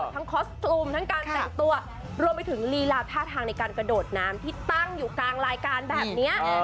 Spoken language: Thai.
คอสตูมทั้งการแต่งตัวรวมไปถึงลีลาท่าทางในการกระโดดน้ำที่ตั้งอยู่กลางรายการแบบนี้